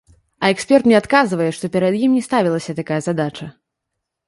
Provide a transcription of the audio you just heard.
А эксперт мне адказвае, што перад ім не ставілася такая задача.